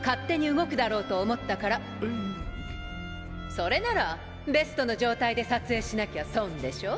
それならベストの状態で撮影しなきゃ損でしょ？